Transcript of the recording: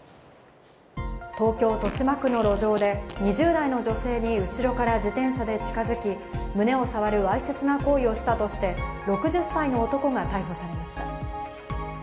東京・豊島区の路上で２０代の女性に後ろから自転車で近づき、胸を触るわいせつな行為をしたとして、６０歳の男が逮捕されました。